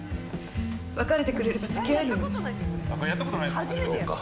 別れてくれれば付き合えるのに。